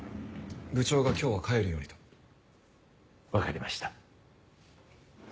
部長が今日は帰るようにと。わかりました。